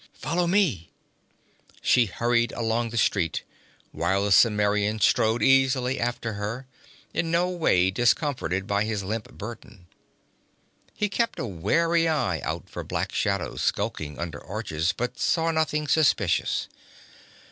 'Follow me!' She hurried along the street, while the Cimmerian strode easily after her, in no way discomforted by his limp burden. He kept a wary eye out for black shadows skulking under arches, but saw nothing suspicious.